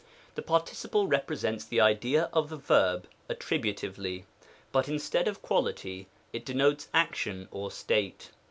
The participle represents the idea of the verb attributively ; but instead of quality, it denotes action or state.